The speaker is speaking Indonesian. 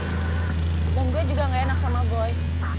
dan gue juga gak enak sama boy